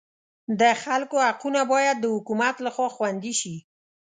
د خلکو حقونه باید د حکومت لخوا خوندي شي.